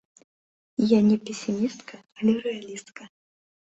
Я не песімістка, але рэалістка.